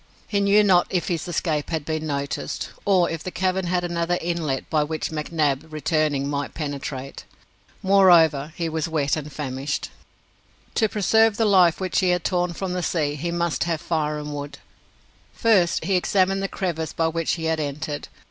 He knew not if his escape had been noticed, or if the cavern had another inlet, by which McNab, returning, might penetrate. Moreover, he was wet and famished. To preserve the life which he had torn from the sea, he must have fire and food. First he examined the crevice by which he had entered.